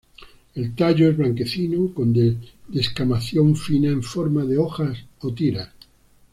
El tallo es blanquecino con descamación fina en forma de hojas o tiras.